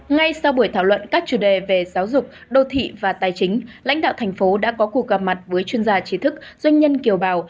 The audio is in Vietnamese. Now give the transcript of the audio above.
ngay sau buổi thảo luận các chủ đề về giáo dục đô thị và tài chính lãnh đạo thành phố đã có cuộc gặp mặt với chuyên gia trí thức doanh nhân kiều bào